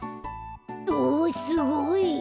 おすごい！